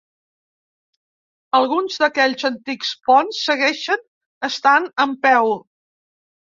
Alguns d'aquells antics ponts segueixen estant en peu.